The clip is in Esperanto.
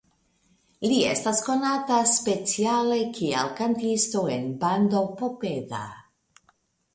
Li estas konata speciale kiel kantisto en bando Popeda.